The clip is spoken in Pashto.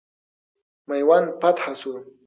میوند فتح سو.